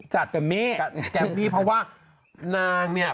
จัดแบบนี้เก็บพี่เพราะว่านางเนี่ย